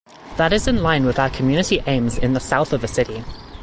That is in line with our community aims in the South of the city.